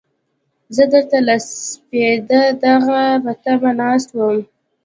زه درته له سپېده داغه په تمه ناست وم.